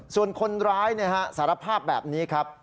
ส่วนคนร้ายสารภาพแบบนี้ครับ